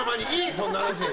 そんな話は。